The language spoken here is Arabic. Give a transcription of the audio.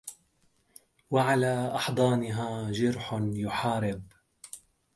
وعلى أحضانها جرح... يحارب